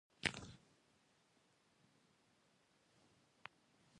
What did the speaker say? راځه چې لاس په لاس دې د پلار مخې ته ودرېږو